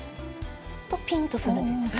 そうするとピンとするんですね。